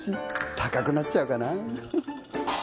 高くなっちゃうかな